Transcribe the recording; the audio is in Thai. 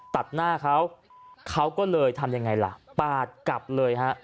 ตัดหน้าเขาเขาก็เลยทำยังไงล่ะปาดกลับเลยฮะ